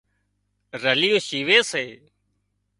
رليون شيوي سي